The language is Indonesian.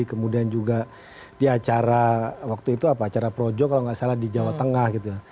kemudian juga di acara waktu itu apa acara projo kalau nggak salah di jawa tengah gitu ya